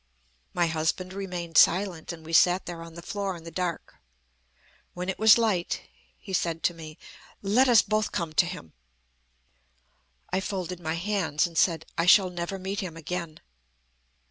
"My husband remained silent, and we sat there on the floor in the dark. When it was light, he said to me: 'Let us both come to him.' "I folded my hands and said: 'I shall never meet him again.'